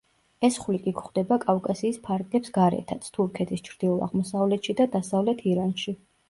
ეს ხვლიკი გვხდება კავკასიის ფარგლებს გარეთაც, თურქეთის ჩრდილო-აღმოსავლეთში და დასავლეთ ირანში.